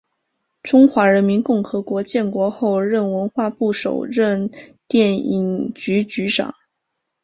中华人民共和国建国后任文化部首任电影局局长。